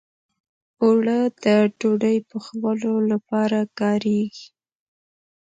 اوړه د ډوډۍ پخولو لپاره کارېږي